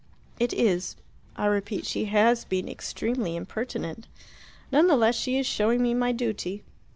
"It is. I repeat, she has been extremely impertinent. None the less she is showing me my duty.